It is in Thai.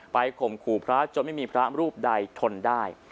ข่มขู่พระจนไม่มีพระรูปใดทนได้